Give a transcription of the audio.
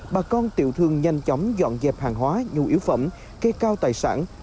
bà con tiểu thương nhanh chóng dọn dẹp hàng hóa nhu yếu phẩm cây cao tài sản